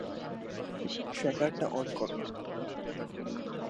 ট্র্যাকারটা on কর।